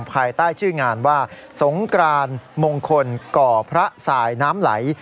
ภายใต้ชื่องานว่าสงกรานมงคลก่อพระสายน้ำไหล